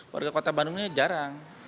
warga kota bandungnya jarang